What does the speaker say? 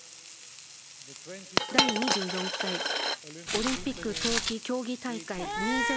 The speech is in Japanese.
第２４回オリンピック冬季競技大会２０２２